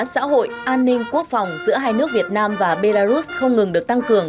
xã hội an ninh quốc phòng giữa hai nước việt nam và belarus không ngừng được tăng cường